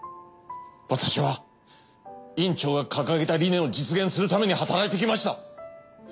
私は院長が掲げた理念を実現するために働いてきました。